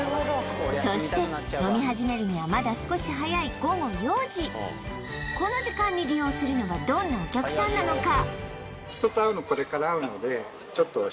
そして飲み始めるにはまだ少し早い午後４時この時間に利用するのはどんなお客さんなのか？